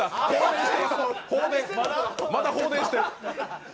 まだ放電してる？